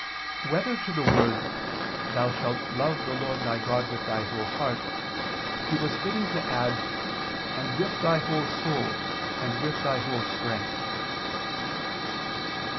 5] Whether to the Words, "Thou Shalt Love the Lord Thy God with Thy Whole Heart," It Was Fitting to Add "and with Thy Whole Soul, and with Thy Whole Strength"?